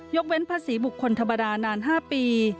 ยกเว้นภาษีบุคคลทะบาดานาน๕ปี